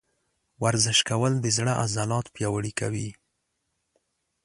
ورزش کول د زړه عضلات پیاوړي کوي.